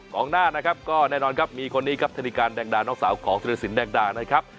งหน้านะครับก็แน่นอนครับมีคนนี้ครับธนิการแดงดาน้องสาวของธิรสินแดงดานะครับ